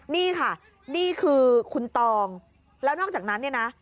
นี่ค่ะนี่คือคุณตองแล้วนอกจากนั้นเนี่ยนะ